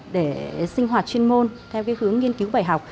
để sinh hoạt chuyên môn theo cái hướng nghiên cứu bài học